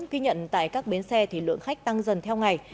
ghi nhận tại các bến xe thì lượng khách tăng dần theo ngày